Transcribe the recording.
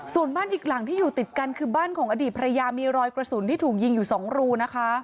ส่วนบ้านอีกหลังที่อยู่ติดกันคือบ้านของอดีตภรรยามีรอยกระสุนที่ถูกยิงอยู่๒รูนะคะ